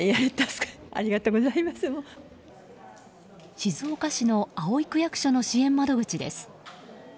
静岡市の葵区役所の支援窓口です。